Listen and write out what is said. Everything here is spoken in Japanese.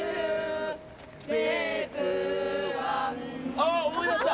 あ思い出した！